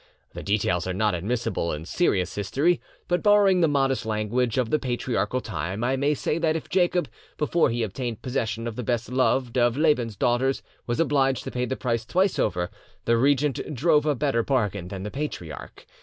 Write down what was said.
The details are not admissible in serious history, but, borrowing the modest language of the patriarchal time, I may say that if Jacob, before he obtained possession of the best beloved of Laban's daughters, was obliged to pay the price twice over, the regent drove a better bargain than the patriarch.